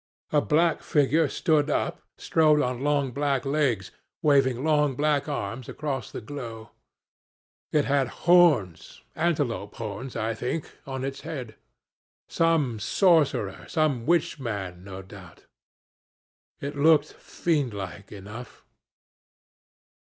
A black figure stood up, strode on long black legs, waving long black arms, across the glow. It had horns antelope horns, I think on its head. Some sorcerer, some witch man, no doubt: it looked fiend like enough.